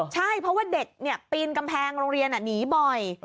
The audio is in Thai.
ใช่เพราะว่าเด็กปีนกำแพงโรงเรียนหนีบ่อย